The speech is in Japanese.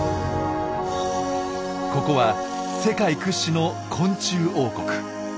ここは世界屈指の昆虫王国。